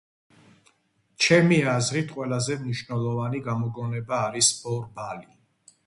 ჩემი აზრით, ყველაზე მნიშვნელოვანი გამოგონება არის ბორბალი